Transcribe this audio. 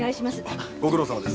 あっご苦労さまです。